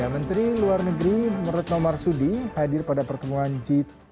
menteri luar negeri meretno marsudi hadir pada pertemuan g dua puluh